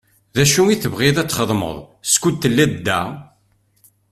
D acu i tebɣiḍ ad txedmeḍ skud telliḍ da?